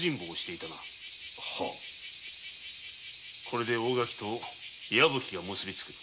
これで大垣と矢吹は結びつく。